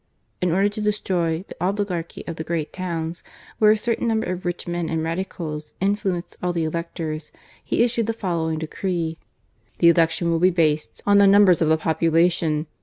In order to destroy the oligarchy of the great towns where a certain number of rich men and Radicals influenced all the electors, he issued the following decree :" The election will be based on the numbers of the population.